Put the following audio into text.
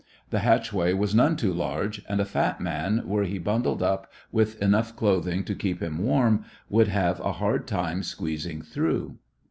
The hatchway was none too large and a fat man, were he bundled up with enough clothing to keep him warm, would have a hard time squeezing through.